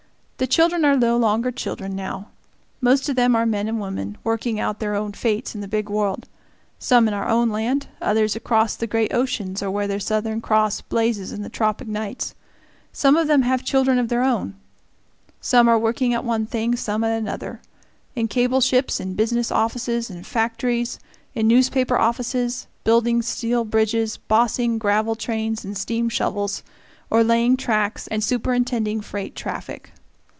The children are no longer children now. Most of them are men and women, working out their own fates in the big world; some in our own land, others across the great oceans or where the Southern Cross blazes in the tropic nights. Some of them have children of their own; some are working at one thing, some at another; in cable ships, in business offices, in factories, in newspaper offices, building steel bridges, bossing gravel trains and steam shovels, or laying tracks and superintending freight traffic.